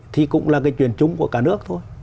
thì cũng là cái chuyện chung của cả nước thôi